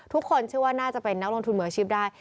ทุกคนเชื่อว่าน่าจะเป็นนักลงทุนมืออาชีพได้